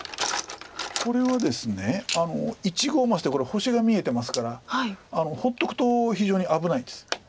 これはですね一合升でこれ星が見えてますから放っとくと非常に危ないです。